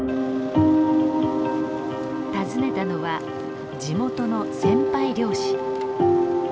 訪ねたのは地元の先輩漁師。